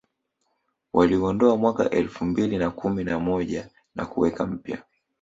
Waliuondoa mwaka elfu mbili na kumi na moja na kuweka mpya